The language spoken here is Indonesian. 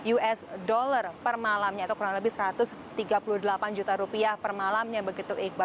us dollar per malamnya itu kurang lebih rp satu ratus tiga puluh delapan juta per malamnya begitu iqbal